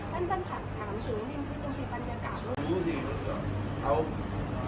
ต้องถามถึงว่านี่มันต้องมีบรรยากาศหรือ